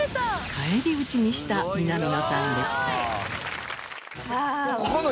返り討ちにした南野さんでした。